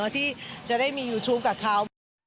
ที่จะได้มียูทูปกับเขา